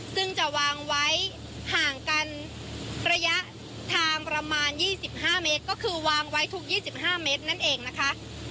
ซึ่งจะวางไว้ห่างกันระยะทางประมาณยี่สิบห้าเมตรก็คือวางไว้ทุกยี่สิบห้าเมตรนั่นเองนะคะ